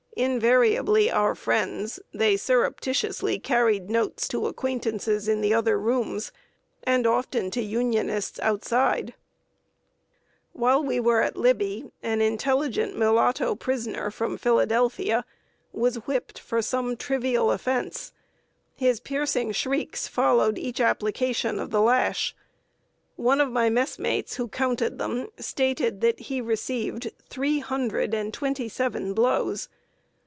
Invariably our friends, they surreptitiously conveyed notes to acquaintances in the other rooms, and often to Unionists outside. [Sidenote: A NEGRO CRUELLY WHIPPED.] While we were at Libby, an intelligent mulatto prisoner from Philadelphia was whipped for some trivial offense. His piercing shrieks followed each application of the lash; one of my messmates, who counted them, stated that he received three hundred and twenty seven blows.